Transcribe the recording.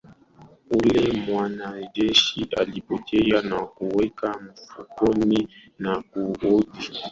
yule mwanajeshi alipokea na kuweka mfukoni na kuhoji kama ni imara huku akihesabu pesa